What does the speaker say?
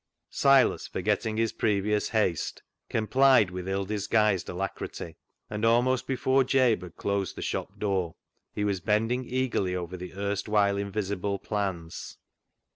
Silas, forgetting his previous haste, complied with ill disguised alacrity, and almost before Jabe had closed the shop door, he was bending eagerly over the erstwhile invisible plans.